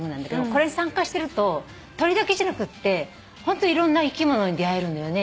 これに参加してると鳥だけじゃなくってホントいろんな生き物に出合えるのよね。